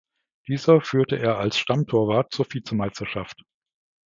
Diese führte er als Stammtorwart zur Vizemeisterschaft.